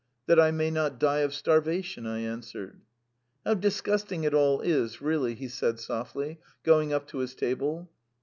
"That I may not die of starvation," I answered. "How disgusting it all is, really!" he said softly, going up to his table.